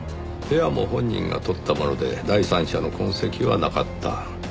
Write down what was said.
部屋も本人が取ったもので第三者の痕跡はなかった。